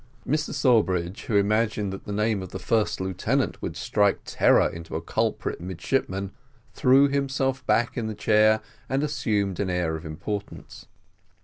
Mr Sawbridge, who imagined that the name of the first lieutenant would strike terror to a culprit midshipman, threw himself back in the chair, and assumed an air of importance.